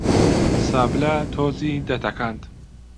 سابلە تۆزی دەتەکاند